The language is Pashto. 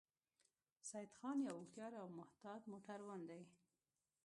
سیدخان یو هوښیار او محتاط موټروان دی